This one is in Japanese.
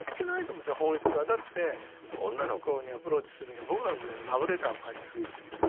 だって女の子にアプローチするには僕らの時代はラブレターを書いたんですよね